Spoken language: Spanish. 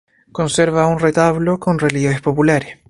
Conserva un retablo con relieves populares.